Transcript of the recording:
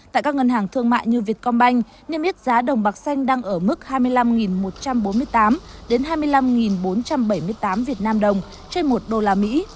tại các ngân hàng thương mại như vietcombank niêm yết giá đồng bạc xanh đang ở mức hai mươi năm một trăm bốn mươi tám hai mươi năm bốn trăm bảy mươi tám việt nam đồng trên một đô la mỹ